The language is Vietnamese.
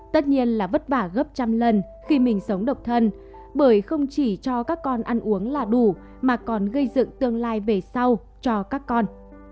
tất nhiên là vất vả gấp trăm lần khi mình sống độc thân bởi không chỉ cho các con ăn uống là đủ mà còn gây dựng tương lai về sau cho các con